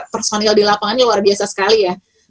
personil di lapangannya luar biasa sekali ya